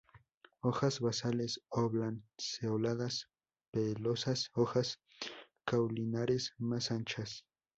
Hojas basales oblanceoladas, pelosas, hojas caulinares más anchas.